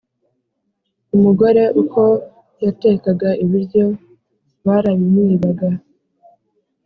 Umugore uko yatekaga ibiryo barabimwibaga